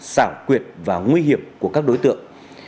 xảo quyệt và nguy hiểm của các đối tượng